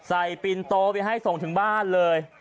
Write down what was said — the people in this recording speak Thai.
ปินโตไปให้ส่งถึงบ้านเลย